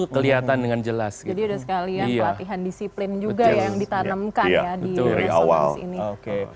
jadi ada sekali ya latihan disiplin juga yang ditanamkan ya di resonance ini